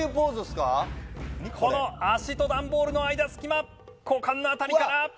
この足と段ボールの間隙間股間の辺りから。